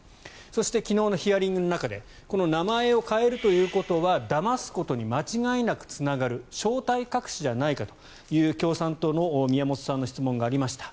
そして、昨日のヒアリングの中でこの名前を変えるということはだますことに間違いなくつながる正体隠しじゃないかという共産党の宮本さんの質問がありました。